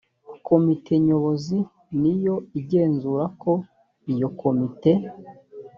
komite nyobozi ni yo igenzura ko iyo komite